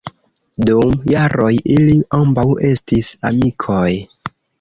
Dum jaroj ili ambaŭ estis amikoj.